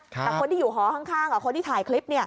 แต่คนที่อยู่หอข้างกับคนที่ถ่ายคลิป